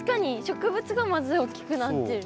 植物がまず大きくなってる。